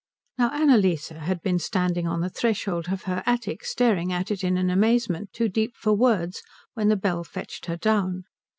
Now Annalise had been standing on the threshold of her attic staring at it in an amazement too deep for words when the bell fetched her down.